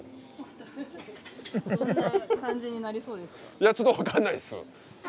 いやちょっと分かんないっす。